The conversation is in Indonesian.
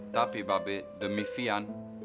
tapi babe demi fian